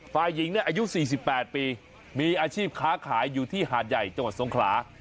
ฝ่ายหญิงเนี่ยอายุ๔๘ปีมีอาชีพค้าขายอยู่ที่หาดใหญ่จังหวัดทรงขลา